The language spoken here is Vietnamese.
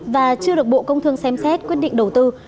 và chưa được bộ công thương xem xét quyết định đầu tư